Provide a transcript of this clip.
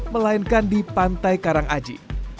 melainkan di pantai karangaji